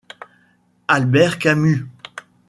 Albert Camus.